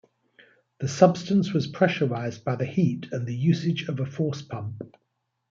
The substance was pressurized by the heat and the usage of a force pump.